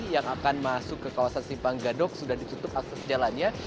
yang akan masuk ke kawasan simpang gadok sudah ditutup akses jalannya